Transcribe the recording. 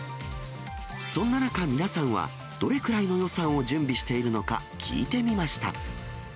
そんな中、皆さんはどれくらいの予算を準備しているのか、聞いてみました。